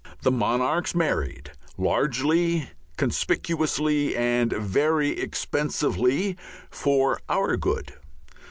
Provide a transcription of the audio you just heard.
The monarchs married largely, conspicuously, and very expensively for our good.